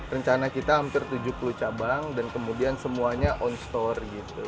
rencana kita hampir tujuh puluh cabang dan kemudian semuanya on store gitu